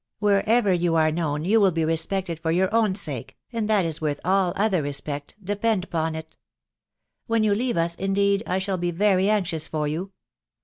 Wherever you are known, you will be respected for your own sake ;«nd that is worth all other respect, depend upon it. When you leave ns, indeed, I shall be very anxious for you.